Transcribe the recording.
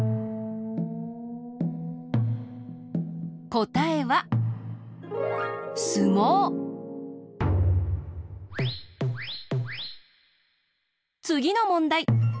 こたえはつぎのもんだい。